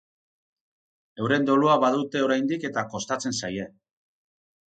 Euren dolua badute oraindik eta kostatzen zaie.